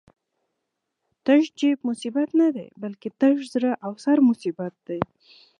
تش جېب مصیبت نه دی، بلکی تش زړه او سر مصیبت دی